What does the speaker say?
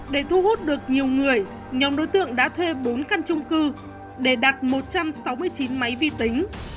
để thu hút được nhiều người nhóm đối tượng đã thuê bốn căn trung cư để đặt một trăm sáu mươi chín máy vi tính